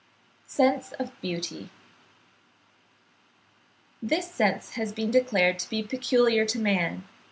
SENSE OF BEAUTY. This sense has been declared to be peculiar to man.